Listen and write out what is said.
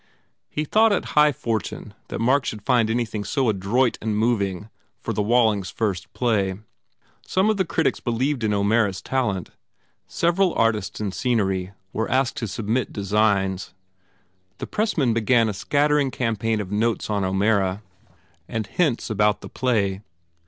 He thought it high fortune that Mark should find anything so adroit and moving for the Wall ing s first play. Some of the critics believed in O Mara s talent. Several artists in scenery were asked to submit designs. The pressmen began a scattering campaign of notes on O Mara and hints about the play.